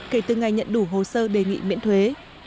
kể từ ngày nhận đủ hồ sơ đề nghị miễn thuế